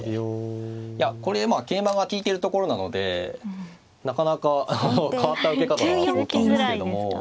いやこれ桂馬が利いてるところなのでなかなか変わった受け方だなと思ったんですけども。